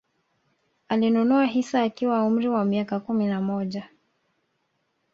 Alinunua hisa akiwa na umri wa miaka kumi na moja